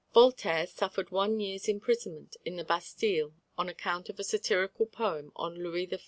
Voltaire suffered one year's imprisonment in the Bastille on account of a satirical poem on Louis XIV.